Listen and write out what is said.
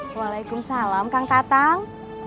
wa'alaikum salam kang tatang